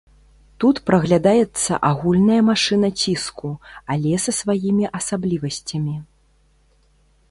Тут праглядаецца агульная машына ціску, але са сваімі асаблівасцямі.